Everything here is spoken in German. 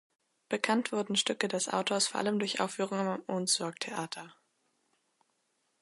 Bekannt wurden Stücke des Autors vor allem durch Aufführungen am Ohnsorg-Theater.